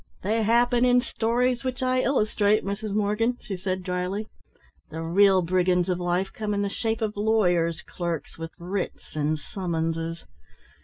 "They happen in stories which I illustrate, Mrs. Morgan," she said dryly. "The real brigands of life come in the shape of lawyers' clerks with writs and summonses.